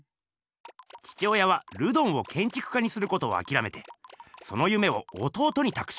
父親はルドンをけんちく家にすることをあきらめてその夢を弟にたくします。